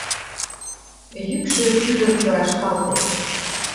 Йӱкшӧ — кӱдырчӧ рашкалте: